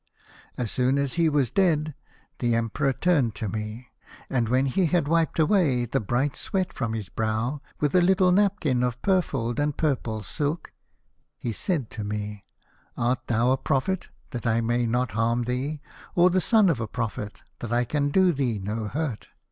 " As soon as he was dead the Emperor turned to me, and when he had wiped away 104 The Fisherman and his Soul. the bright sweat from his brow with a little napkin of purfled and purple silk, he said to me, ' Art thou a prophet, that I may not harm thee, or the son of a prophet that I can do thee no hurt